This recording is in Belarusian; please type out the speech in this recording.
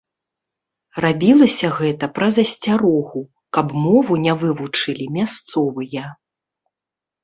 Рабілася гэта праз асцярогу, каб мову не вывучылі мясцовыя.